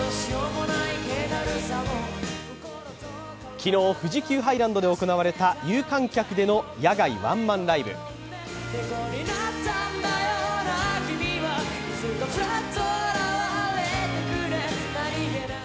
昨日、富士急ハイランドで行なわれた有観客での野外ワンマンライブ。